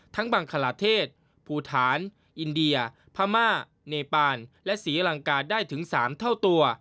ทั้งบางขณะเทศปูถานอินเดียพามาเนปานและศรีลังกาได้ถึง๓เท่าตัว